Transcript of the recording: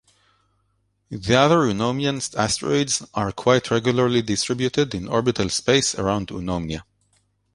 The other Eunomian asteroids are quite regularly distributed in orbital space around Eunomia.